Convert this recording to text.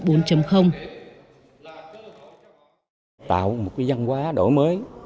tạo một cái văn hóa đổi mới